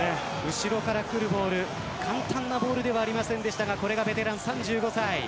後ろからくるボール簡単なボールではありませんでしたがこれがベテラン、３５歳。